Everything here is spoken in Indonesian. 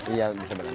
iya bisa belanja